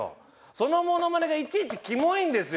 そのモノマネがいちいちキモいんですよ。